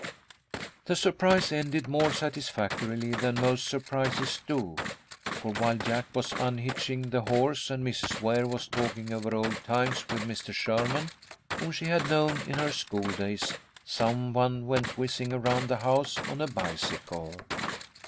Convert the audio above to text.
The surprise ended more satisfactorily than most surprises do, for, while Jack was unhitching the horse, and Mrs. Ware was talking over old times with Mr. Sherman, whom she had known in her school days, some one went whizzing around the house on a bicycle.